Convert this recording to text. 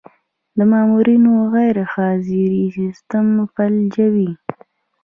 د مامورینو غیرحاضري سیستم فلجوي.